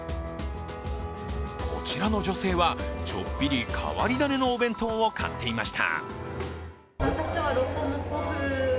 こちらの女性はちょっぴり変わり種のお弁当を買っていました。